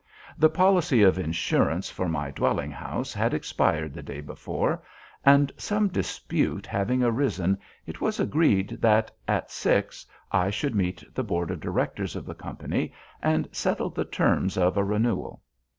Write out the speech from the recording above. The policy of insurance for my dwelling house had expired the day before; and some dispute having arisen it was agreed that, at six, I should meet the board of directors of the company and settle the terms of a renewal.